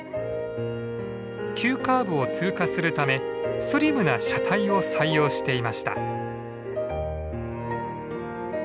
急カーブを通過するためスリムな車体を採用していました。